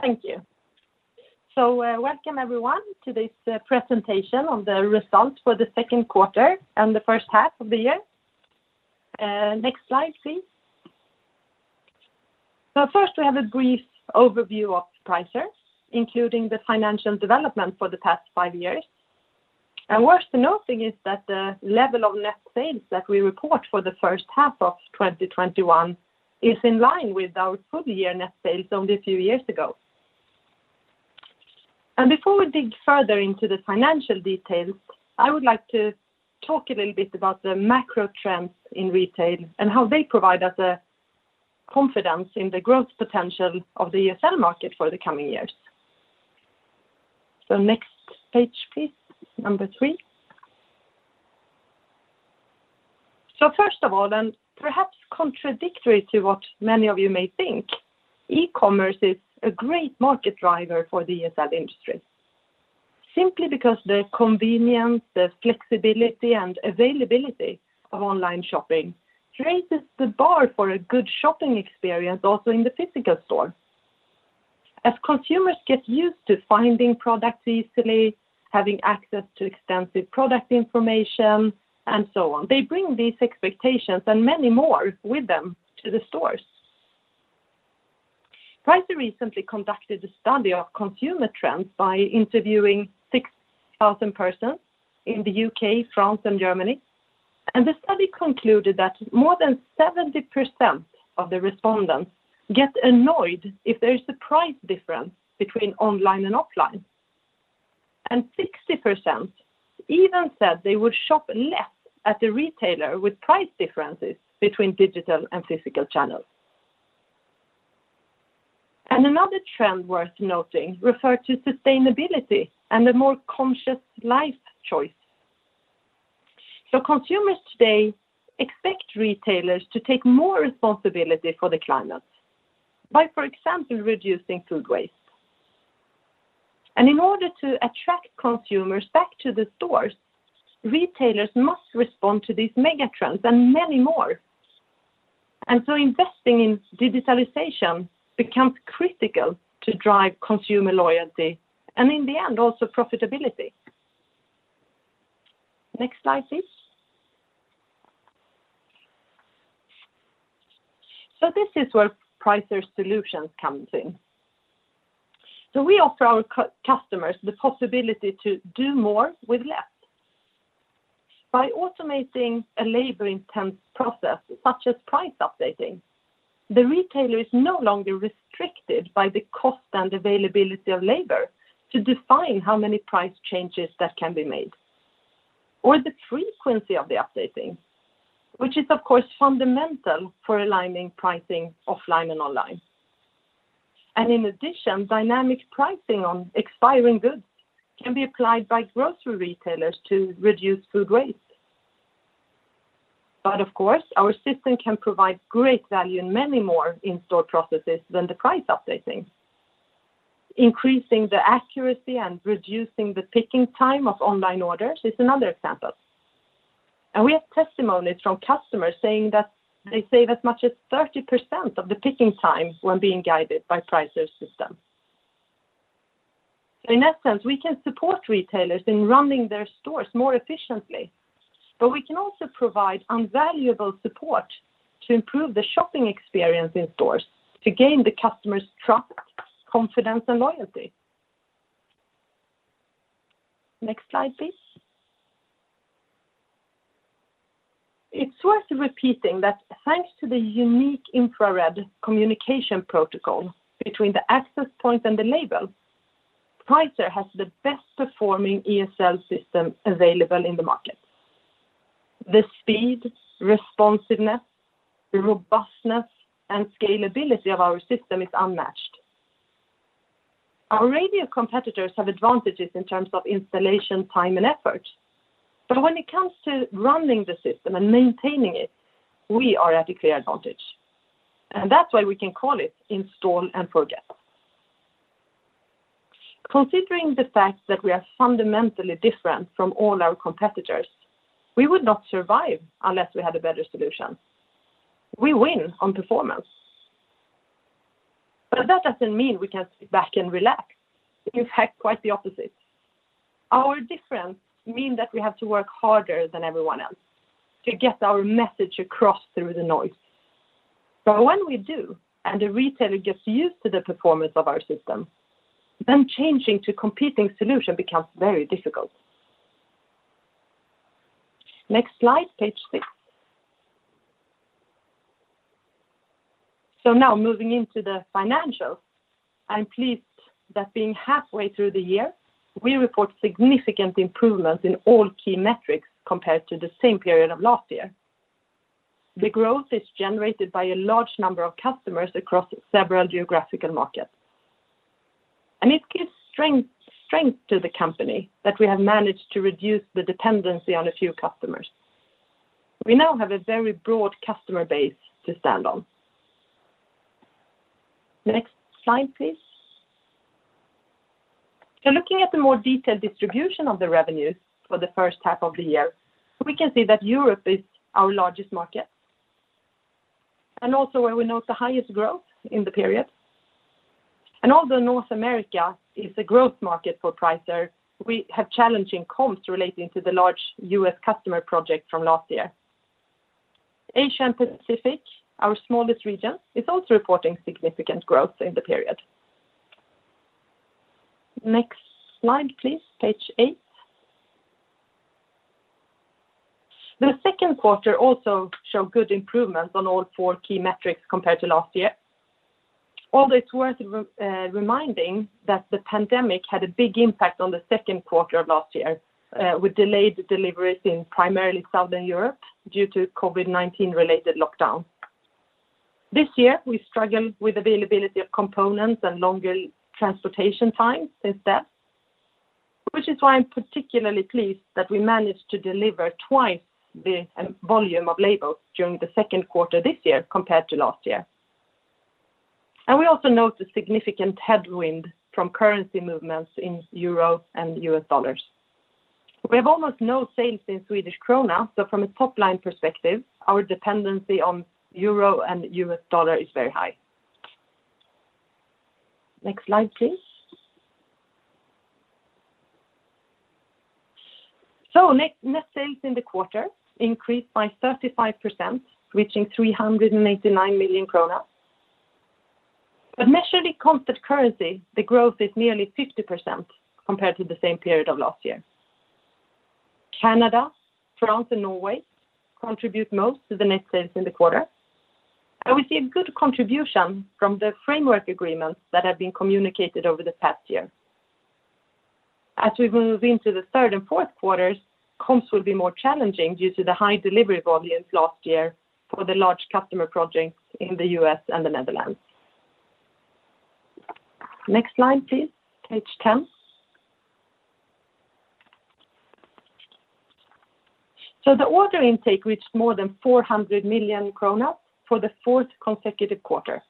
Thank you. Welcome, everyone, to this presentation on the results for the second quarter and the first half of the year. Next slide, please. First, we have a brief overview of Pricer, including the financial development for the past five years. Worth noting is that the level of net sales that we report for the first half of 2021 is in line with our full year net sales only a few years ago. Before we dig further into the financial details, I would like to talk a little bit about the macro trends in retail and how they provide us a confidence in the growth potential of the ESL market for the coming years. Next page, please, number three. First of all, and perhaps contradictory to what many of you may think, e-commerce is a great market driver for the ESL industry. Simply because the convenience, the flexibility, and availability of online shopping raises the bar for a good shopping experience also in the physical store. As consumers get used to finding products easily, having access to extensive product information, and so on, they bring these expectations and many more with them to the stores. Pricer recently conducted a study of consumer trends by interviewing 6,000 persons in the U.K., France, and Germany, and the study concluded that more than 70% of the respondents get annoyed if there's a price difference between online and offline. 60% even said they would shop less at the retailer with price differences between digital and physical channels. Another trend worth noting refer to sustainability and a more conscious life choice. Consumers today expect retailers to take more responsibility for the climate, by, for example, reducing food waste. In order to attract consumers back to the stores, retailers must respond to these mega trends and many more. Investing in digitalization becomes critical to drive consumer loyalty and in the end, also profitability. Next slide, please. This is where Pricer solutions comes in. We offer our customers the possibility to do more with less. By automating a labor-intensive process, such as price updating, the retailer is no longer restricted by the cost and availability of labor to define how many price changes that can be made or the frequency of the updating, which is, of course, fundamental for aligning pricing offline and online. In addition, dynamic pricing on expiring goods can be applied by grocery retailers to reduce food waste. Of course, our system can provide great value in many more in-store processes than the price updating. Increasing the accuracy and reducing the picking time of online orders is another example. We have testimonies from customers saying that they save as much as 30% of the picking time when being guided by Pricer system. In essence, we can support retailers in running their stores more efficiently. We can also provide invaluable support to improve the shopping experience in stores to gain the customer's trust, confidence, and loyalty. Next slide, please. It's worth repeating that thanks to the unique infrared communication protocol between the access point and the label, Pricer has the best-performing ESL system available in the market. The speed, responsiveness, the robustness, and scalability of our system is unmatched. Our radio competitors have advantages in terms of installation time and effort, but when it comes to running the system and maintaining it, we are at a clear advantage, and that's why we can call it install and forget. Considering the fact that we are fundamentally different from all our competitors, we would not survive unless we had a better solution. We win on performance. That doesn't mean we can sit back and relax. In fact, quite the opposite. Our difference mean that we have to work harder than everyone else to get our message across through the noise. When we do, and the retailer gets used to the performance of our system, then changing to competing solution becomes very difficult. Next slide, page 6. Now moving into the financials. I'm pleased that being halfway through the year, we report significant improvements in all key metrics compared to the same period of last year. The growth is generated by a large number of customers across several geographical markets. It gives strength to the company that we have managed to reduce the dependency on a few customers. We now have a very broad customer base to stand on. Next slide, please. Looking at the more detailed distribution of the revenues for the first half of the year, we can see that Europe is our largest market, and also where we note the highest growth in the period. Although North America is a growth market for Pricer, we have challenging comps relating to the large U.S. customer project from last year. Asia and Pacific, our smallest region, is also reporting significant growth in the period. Next slide, please. Page 8. The second quarter also showed good improvements on all 4 key metrics compared to last year, although it's worth reminding that the pandemic had a big impact on the second quarter of last year with delayed deliveries in primarily Southern Europe due to COVID-19 related lockdown. This year, we struggled with availability of components and longer transportation times instead, which is why I'm particularly pleased that we managed to deliver twice the volume of labels during the second quarter this year compared to last year. We also note a significant headwind from currency movements in euro and U.S. dollars. We have almost no sales in Swedish krona, from a top-line perspective, our dependency on euro and U.S. dollar is very high. Next slide, please. Net sales in the quarter increased by 35%, reaching 389 million kronor. Measured in constant currency, the growth is nearly 50% compared to the same period of last year. Canada, France, and Norway contribute most to the net sales in the quarter, and we see a good contribution from the framework agreements that have been communicated over the past year. As we move into the third and fourth quarters, comps will be more challenging due to the high delivery volumes last year for the large customer projects in the U.S. and the Netherlands. Next slide, please. Page 10. The order intake reached more than 400 million kronor for the fourth consecutive quarter.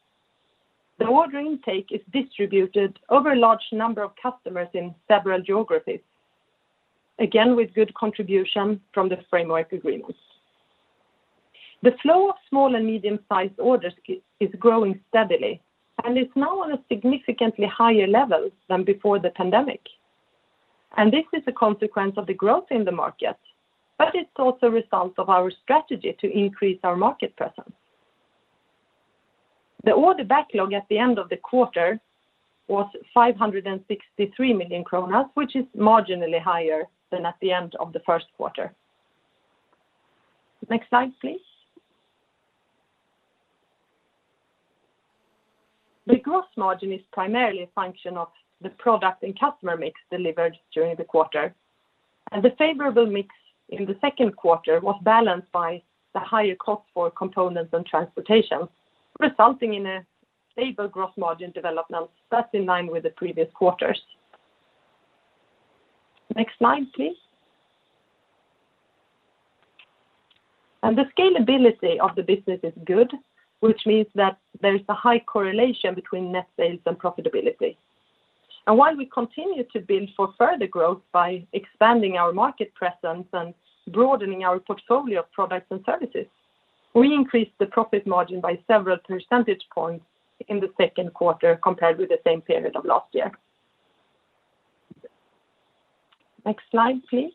The order intake is distributed over a large number of customers in several geographies, again with good contribution from the framework agreements. The flow of small and medium-sized orders is growing steadily, and is now on a significantly higher level than before the pandemic. This is a consequence of the growth in the market, but it's also a result of our strategy to increase our market presence. The order backlog at the end of the quarter was 563 million kronor, which is marginally higher than at the end of the first quarter. Next slide, please. The gross margin is primarily a function of the product and customer mix delivered during the quarter, and the favorable mix in the second quarter was balanced by the higher cost for components and transportation, resulting in a stable gross margin development that's in line with the previous quarters. Next slide, please. The scalability of the business is good, which means that there is a high correlation between net sales and profitability. While we continue to build for further growth by expanding our market presence and broadening our portfolio of products and services, we increased the profit margin by several percentage points in the second quarter compared with the same period of last year. Next slide, please.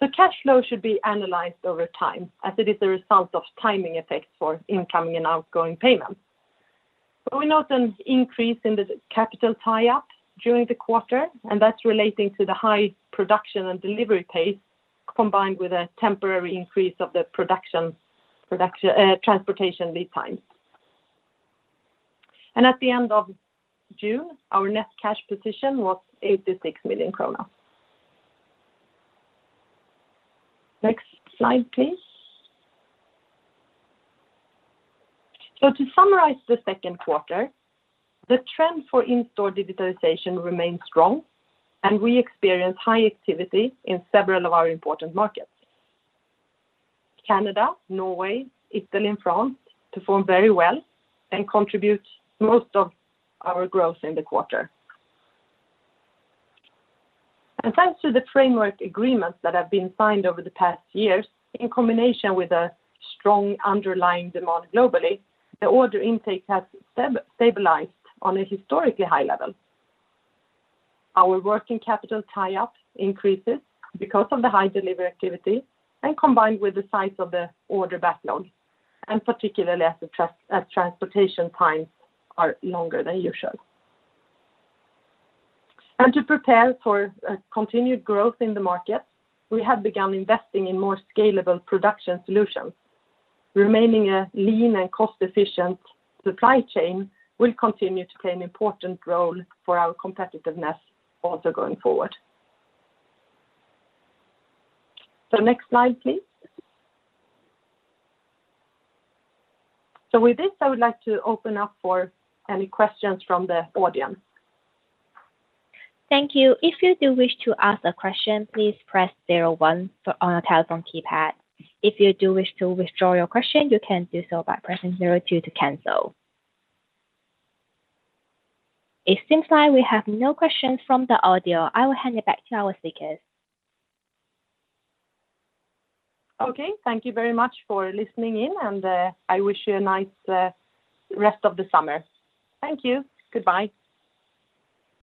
The cash flow should be analyzed over time as it is a result of timing effects for incoming and outgoing payments. We note an increase in the capital tie-up during the quarter, and that's relating to the high production and delivery pace, combined with a temporary increase of the transportation lead time. At the end of June, our net cash position was 86 million kronor. Next slide, please. To summarize the second quarter, the trend for in-store digitalization remains strong, and we experience high activity in several of our important markets. Canada, Norway, Italy, and France perform very well and contribute most of our growth in the quarter. Thanks to the framework agreements that have been signed over the past years, in combination with a strong underlying demand globally, the order intake has stabilized on a historically high level. Our working capital tie-up increases because of the high delivery activity and combined with the size of the order backlog, and particularly as transportation times are longer than usual. To prepare for a continued growth in the market, we have begun investing in more scalable production solutions. Remaining a lean and cost-efficient supply chain will continue to play an important role for our competitiveness also going forward. Next slide, please. With this, I would like to open up for any questions from the audience. Thank you. If you do wish to ask a question, please press zero one on our telephone keypad. If you do wish to withdraw your question, you can do so by pressing zero two to cancel. It seems like we have no questions from the audio. I will hand it back to our speakers. Okay. Thank you very much for listening in, and I wish you a nice rest of the summer. Thank you. Goodbye.